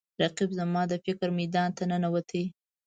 رقیب زما د فکر میدان ته ننوتی دی